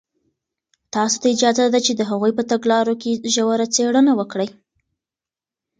تاسو ته اجازه ده چې د هغوی په تګلارو کې ژوره څېړنه وکړئ.